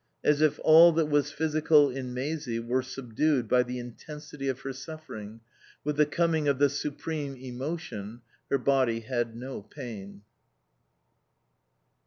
As if all that was physical in Maisie were subdued by the intensity of her suffering, with the coming of the supreme emotion her body had no pain.